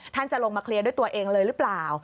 จะลงมาเคลียร์ด้วยตัวเองเลยหรือเปล่า